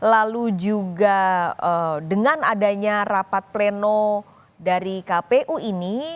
lalu juga dengan adanya rapat pleno dari kpu ini